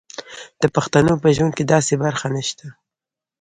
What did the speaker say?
د پښتنو په ژوند کې داسې برخه نشته.